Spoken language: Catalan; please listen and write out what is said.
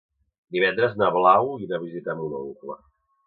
Divendres na Blau irà a visitar mon oncle.